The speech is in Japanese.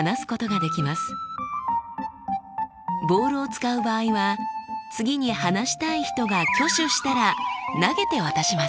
ボールを使う場合は次に話したい人が挙手したら投げて渡します。